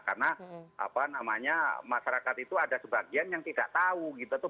karena apa namanya masyarakat itu ada sebagian yang tidak tahu gitu